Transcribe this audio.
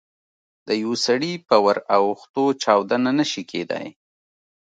د یوه سړي په ور اوښتو چاودنه نه شي کېدای.